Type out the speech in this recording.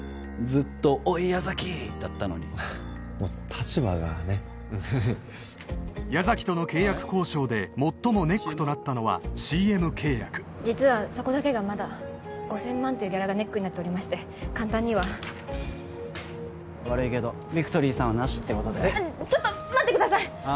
ずっと「おい矢崎」だったのにもう立場がねっ矢崎との契約交渉で最もネックとなったのはＣＭ契約実はそこだけがまだ５０００万というギャラがネックになっておりまして簡単には悪いけどビクトリーさんはなしってことでちょっと待ってくださいああ